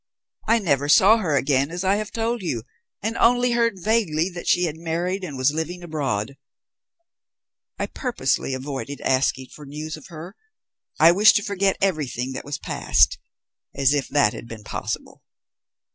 I never saw her again, as I have told you, and only heard vaguely that she had married and was living abroad. I purposely avoided asking for news of her. I wished to forget everything that was past. As if that had been possible!"